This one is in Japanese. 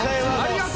はい。